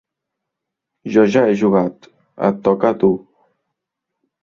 Jo ja he jugat; et toca a tu.